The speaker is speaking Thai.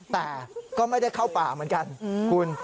แต่ก็ไม่ได้เข้าป่าเหมือนกันคุณ